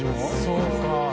そうか。